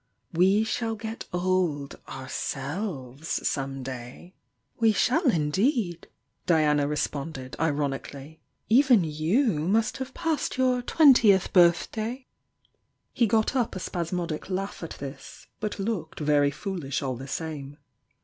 We shall get old ourselves some day!" "We shall indeed!" Diana responded, ironically. "Even you must have passed your twentieth birth day!" He got up a spasmodic laugh at this, but looked very foolish all the same.